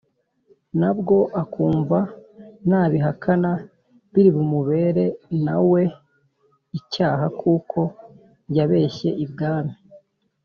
na bwo akumva nabihakana biri bumubere na we icyaha kuko yabeshye ibwami !